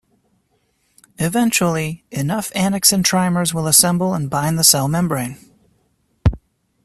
Eventually, enough annexin trimers will assemble and bind the cell membrane.